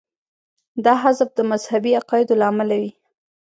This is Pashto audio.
دا حذف د مذهبي عقایدو له امله وي.